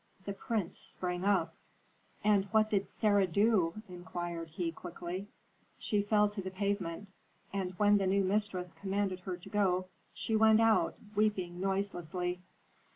The prince sprang up. "And what did Sarah do?" inquired he, quickly. "She fell to the pavement. And when the new mistress commanded her to go, she went out, weeping noiselessly."